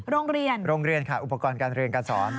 โรงเรียนโรงเรียนค่ะอุปกรณ์การเรียนการสอน